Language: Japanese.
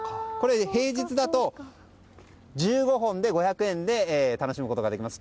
平日だと１５本で５００円で楽しむことができます。